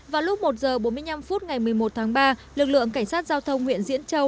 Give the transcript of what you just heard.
vào lúc một h bốn mươi năm phút ngày một mươi một tháng ba lực lượng cảnh sát giao thông huyện diễn châu